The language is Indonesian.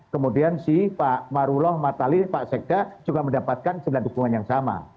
kemudian si pak marullah matali pak sekda juga mendapatkan sembilan dukungan yang sama